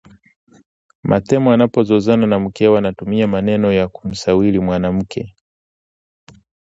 Matemo anapozozana na mkewe anatumia maneno ya kumsawiri mwanamke